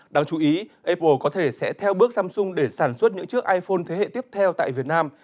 đáng chú ý apple có thể sẽ theo bước samsung để sản xuất những chiếc iphone thế hệ tiếp theo tại việt nam